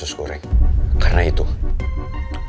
kebahagiaan yang gue cari itu adalah lo sus goreng